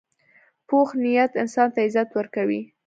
پوخ نیت انسان ته عزت ورکوي